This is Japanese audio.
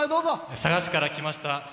佐賀市から来ました。